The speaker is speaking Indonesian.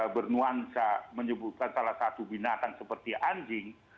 bernuansa menyebutkan salah satu binatang seperti anjing